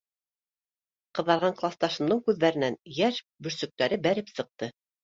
— Ҡыҙарған класташымдың күҙҙәренән йәш бөрсөктәре бәреп сыҡты.